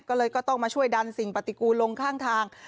ก็เลยก็ต้องมาช่วยดันสิ่งปฏิกูลลงข้างทาง